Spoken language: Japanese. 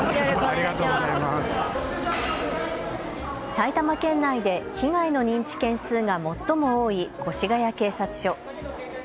埼玉県内で被害の認知件数が最も多い越谷警察署。